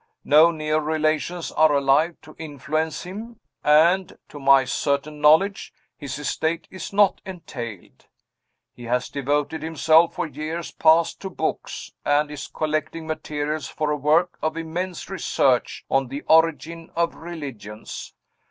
No near relations are alive to influence him; and, to my certain knowledge, his estate is not entailed. He has devoted himself for years past to books, and is collecting materials for a work of immense research, on the Origin of Religions.